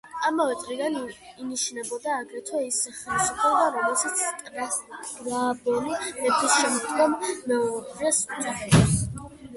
ამავე წრიდან ინიშნებოდა აგრეთვე ის ხელისუფალი, რომელსაც სტრაბონი „მეფის შემდგომ მეორეს“ უწოდებს.